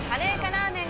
ラーメン！